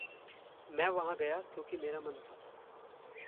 मैं वहाँ गया क्योंकि मेरा मन था।